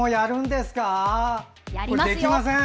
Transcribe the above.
できません！